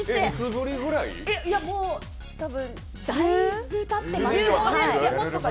もう、だいぶたってます。